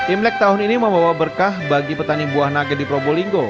imlek tahun ini membawa berkah bagi petani buah naga di probolinggo